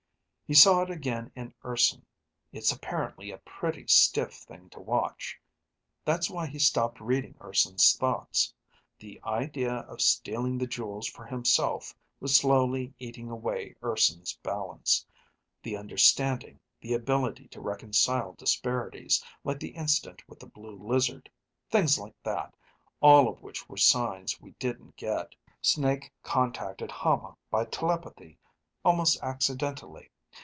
He saw it again in Urson. It's apparently a pretty stiff thing to watch. That's why he stopped reading Urson's thoughts. The idea of stealing the jewels for himself was slowly eating away Urson's balance, the understanding, the ability to reconcile disparities, like the incident with the blue lizard, things like that, all of which were signs we didn't get. Snake contacted Hama by telepathy, almost accidentally.